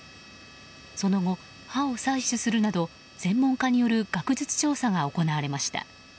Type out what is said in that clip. その後、歯を採取するなど専門家による学術調査が行われました。